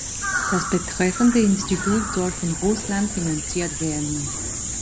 Das betreffende Institut soll von Russland finanziert werden.